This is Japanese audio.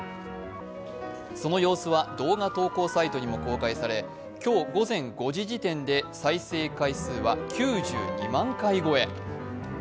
その様子は動画投稿サイトにも公開され今日午前５時時点で再生回数は９２万回超え。